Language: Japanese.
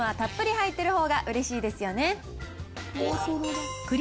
クリームはたっぷり入ってるほうがうれしいですよね。